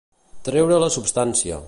Treure la substància.